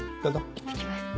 いってきます。